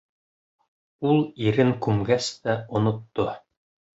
Ул ирен күмгәс тә онотто.